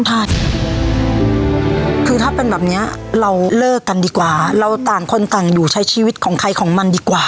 คือถ้าเป็นแบบเนี้ยเราเลิกกันดีกว่าเราต่างคนต่างอยู่ใช้ชีวิตของใครของมันดีกว่า